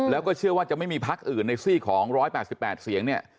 แล้วก็เชื่อว่าจะไม่มีพักอื่นในซี่ของ๑๘๘เสียงเนี่ย